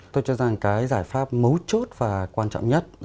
tôi cho rằng cái giải pháp mấu chốt và quan trọng nhất